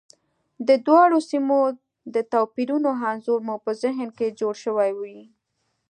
د دواړو سیمو د توپیرونو انځور مو په ذهن کې جوړ شوی وي.